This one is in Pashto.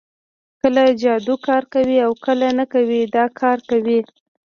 کله جادو کار کوي او کله نه کوي دا کار کوي